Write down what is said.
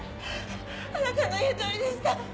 あなたの言う通りでした。